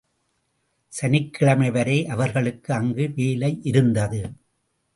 சனிக்கிழமைவரை அவர்களுக்கு அங்கு வேலையிருந்தது.